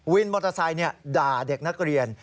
วินมอเตอร์ไซค์ด่าเด็กนักเรียน